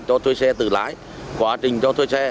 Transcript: cho thuê xe tự lái quá trình cho thuê xe